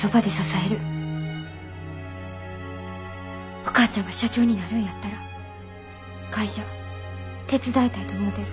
お母ちゃんが社長になるんやったら会社手伝いたいと思てる。